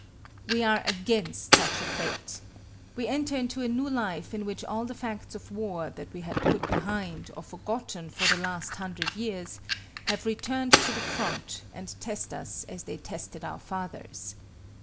We are against such a fate. We enter into a new life in which all the facts of war that we had put behind or forgotten for the last hundred years, have returned to the front and test us as they tested our fathers.